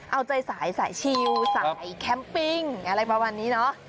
เอาใจสายสายชิลสายแคมปิ้งอะไรประมาณนี้เนอะ